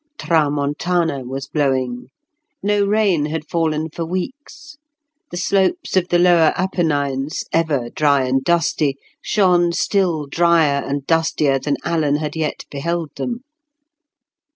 Tramontana was blowing. No rain had fallen for weeks; the slopes of the lower Apennines, ever dry and dusty, shone still drier and dustier than Alan had yet beheld them.